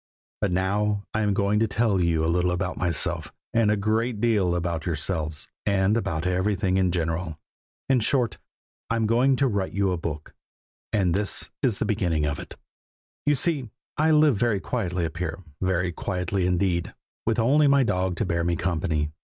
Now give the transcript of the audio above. But now I am going to tell you a little about myself, and a great deal about yourselves, and about everything in general. In short, I am going to write you a book, and this is the beginning of it. [Illustration: PATCHKO'S FATHER.] You see, I live very quietly up here, very quietly indeed, with only my dog to bear me company.